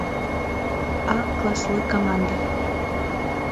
«А» класлы команда